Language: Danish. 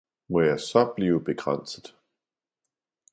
'Må jeg så blive bekranset!